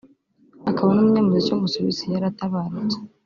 akaba n’umunyamuziki w’umusuwisi yaratabarutse